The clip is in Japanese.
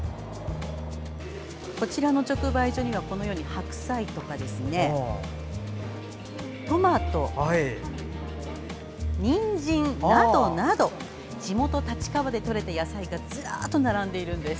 こちらの直売所には白菜やトマト、にんじんなどなど地元・立川で取れた野菜がずらりと並んでいるんです。